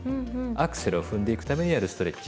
アクセルを踏んでいくためにやるストレッチ。